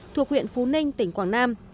thuộc huyện phú ninh tỉnh quảng nam